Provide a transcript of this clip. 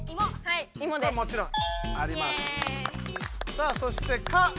さあそして「か」